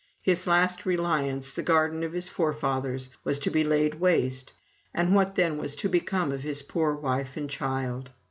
His last reliance, the garden of his forefathers, was to be laid waste, and what then was to become of his poor wife and child?